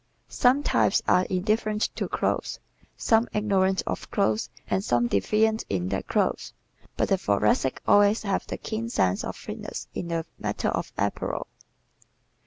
Some types are indifferent to clothes, some ignorant of clothes and some defiant in their clothes but the Thoracic always has a keen sense of fitness in the matter of apparel.